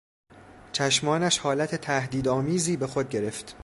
چشمانش حالت تهدید آمیزی به خود گرفت.